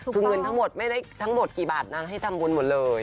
คือเงินทั้งหมดไม่ได้ทั้งหมดกี่บาทนางให้ทำบุญหมดเลย